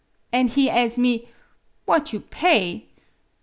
An' he as' me, 'What you pay?'